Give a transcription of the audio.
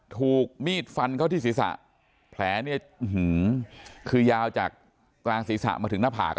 ถูกมีดฟันเข้าที่ศีรษะแผลเนี่ยคือยาวจากกลางศีรษะมาถึงหน้าผาก